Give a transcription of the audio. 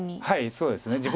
はいそうですね。